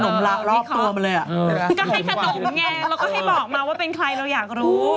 ยังก็ให้กระโดบแงงและให้บอกมาว่าเป็นใครเราอยากรู้